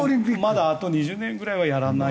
まだあと２０年ぐらいはやらない。